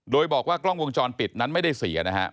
โดยบอกว่ากล้องวงจรปิดนั้นไม่ได้เสียนะครับ